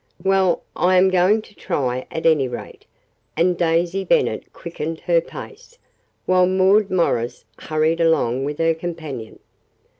"Well, I am going to try, at any rate," and Daisy Bennet quickened her pace, while Maud Morris hurried along with her companion.